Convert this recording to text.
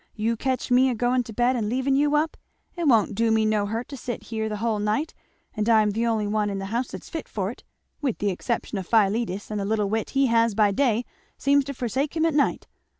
You catch me a going to bed and leaving you up! It won't do me no hurt to sit here the hull night; and I'm the only one in the house that's fit for it, with the exception of Philetus, and the little wit he has by day seems to forsake him at night.